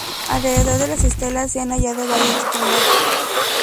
Alrededor de las estelas se han hallado varias tumbas.